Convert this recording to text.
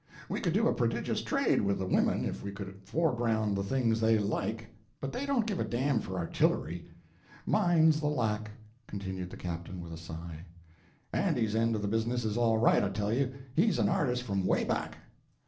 We could do a prodigious trade with the women if we could foreground the things they like, but they don't give a damn for artillery. Mine's the lack," continued the captain with a sigh, "Andy's end of the business is all right I tell you he's an artist from way back!"